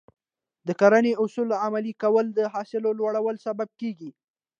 د کرنې اصول عملي کول د حاصل لوړوالي سبب کېږي.